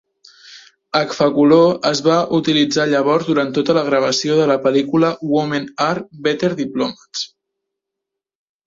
Agfacolor es va utilitzar llavors durant tota la gravació de la pel·lícula Women Are Better Diplomats.